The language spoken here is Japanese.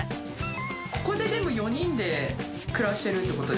ここででも４人で暮らしてるってことですよね？